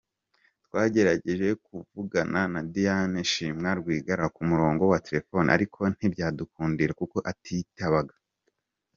Twagerageje kuvugana na Diane Shima Rwigara ku murongo wa telefoni ariko ntibyadukundira kuko atitabaga.